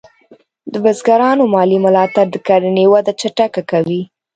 د بزګرانو مالي ملاتړ د کرنې وده چټکه کوي.